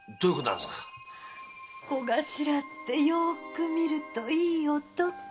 小頭ってよおく見るといい男！